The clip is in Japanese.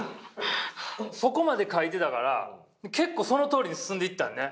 そこまで書いてたから結構そのとおりに進んでいったね。